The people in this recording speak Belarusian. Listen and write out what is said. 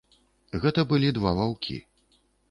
Гэта былі два ваўкі.